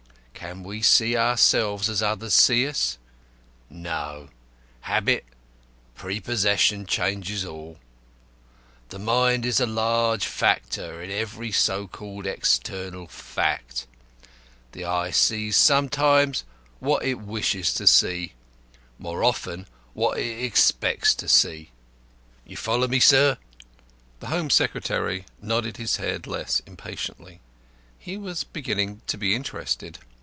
Can we see ourselves as others see us? No; habit, prepossession changes all. The mind is a large factor of every so called external fact. The eye sees, sometimes, what it wishes to see, more often what it expects to see. You follow me, sir?" The Home Secretary nodded his head less impatiently. He was beginning to be interested.